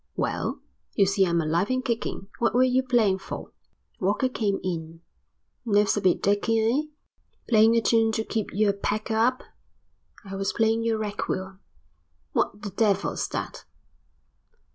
"Well, you see I'm alive and kicking. What were you playing for?" Walker came in. "Nerves a bit dicky, eh? Playing a tune to keep your pecker up?" "I was playing your requiem." "What the devil's that?"